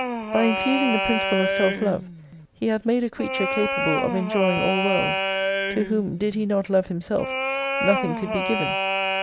By infusing the principle of self love He hath made a creature capable of enjoying all worlds : to whom, did he not love himself, nothing could be given.